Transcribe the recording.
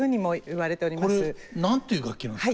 これ何ていう楽器なんですか？